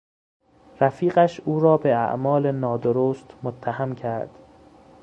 رفیقش او را به اعمال نادرست متهم کرد.